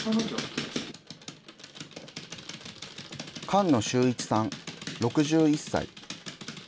菅野修一さん６１歳。